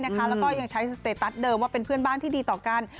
แล้วก็ยังใช้สเตตัสเดิมว่าเป็นเพื่อนบ้านที่ดีต่อกัน